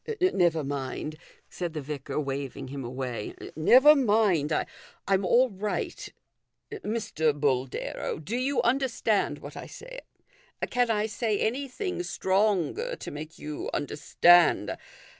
" Never mind," said the vicar, waving him away. " Never mind ; I'm all right. Mr. Boldero, do you understand what I say ? Can I say anything stronger to make you under stand